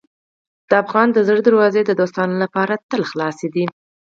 د افغان د زړه دروازې د دوستانو لپاره تل خلاصې دي.